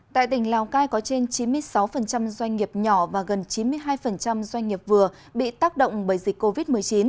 tại tỉnh lào cai có trên chín mươi sáu doanh nghiệp nhỏ và gần chín mươi hai doanh nghiệp vừa bị tác động bởi dịch covid một mươi chín